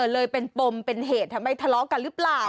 เลยเป็นปมเป็นเหตุทำให้ทะเลาะกันหรือเปล่า